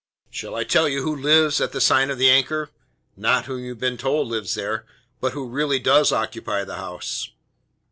Shall I tell you who lives at the sign of the Anchor not whom you have been told lives there, but who really does occupy the house?"